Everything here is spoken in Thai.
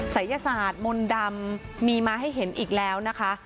ศัยศาสตร์มนต์ดำมีมาให้เห็นอีกแล้วนะคะ